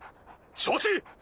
承知！